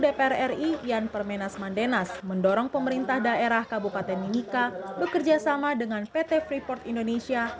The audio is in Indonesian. dpr ri yan permenas mandenas mendorong pemerintah daerah kabupaten mimika bekerjasama dengan pt freeport indonesia